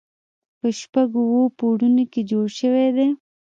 په شپږو اوو پوړونو کې جوړ شوی دی.